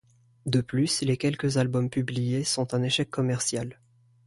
De plus, les quelques albums publiés sont un échec commercial.